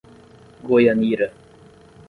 Goianira